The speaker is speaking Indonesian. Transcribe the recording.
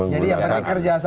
jadi yang penting kerja saja